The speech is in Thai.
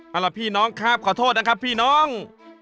เอาล่ะพี่น้องครับขอโทษนะครับพี่น้อง